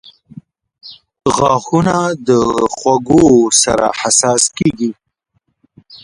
• غاښونه د خوږو سره حساس کیږي.